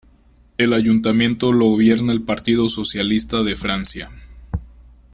El Ayuntamiento lo gobierna el Partido Socialista de Francia.